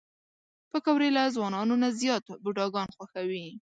پکورې له ځوانانو نه زیات بوډاګان خوښوي